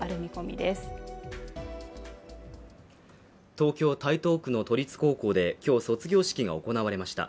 東京・台東区の都立高校で、今日卒業式が行われました。